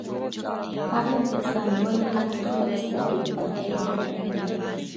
هغې په ساه نیولي حال کې خپلې سترګې په تنهایۍ کې رڼې کړې.